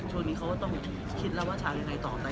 ช่วงนี้เขาก็ต้องคิดแล้วว่าจะเอายังไงต่อไป